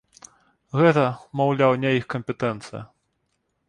Гэта, маўляў, не іх кампетэнцыя.